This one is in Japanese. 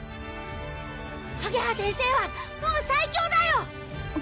あげは先生はもう最強だよ！